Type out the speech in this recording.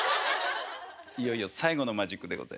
いよいよ最後のマジックでございます。